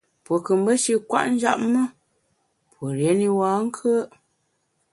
Pue nkù mbe shi nkwet njap me, pue rié ne bankùe’.